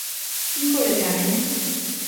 কি করে জানেন?